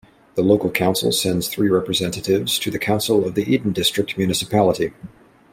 The local council sends three representatives to the council of the Eden District Municipality.